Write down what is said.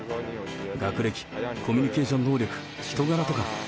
学歴、コミュニケーション能力、人柄とか。